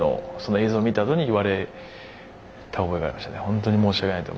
本当に申し訳ないと。